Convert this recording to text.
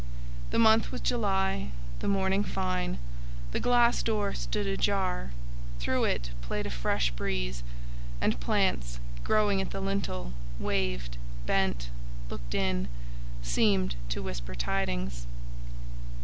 The month was July, the morning fine, the glass door stood ajar, through it played a fresh breeze, and plants, growing at the lintel, waved, bent, looked in, seeming to whisper tidings.